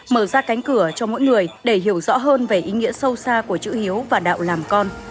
mở ra cánh cửa cho mỗi người để hiểu rõ hơn về ý nghĩa sâu xa của chữ hiếu và đạo làm con